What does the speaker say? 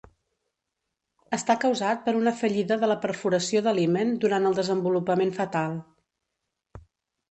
Està causat per una fallida de la perforació de l'himen durant el desenvolupament fetal.